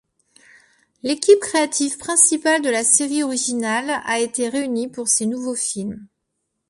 L'équipe créative principale de la série originale a été réunie pour ces nouveaux films.